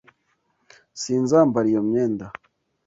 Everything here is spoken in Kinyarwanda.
Sinzambara iyo myenda.